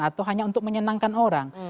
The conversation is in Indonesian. atau hanya untuk menyenangkan orang